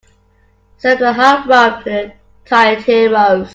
Serve the hot rum to the tired heroes.